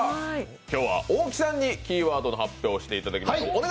今日は大木さんにキーワード発表していただきます。